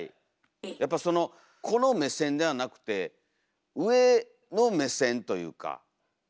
やっぱそのこの目線ではなくて上の目線というか見下ろしたい。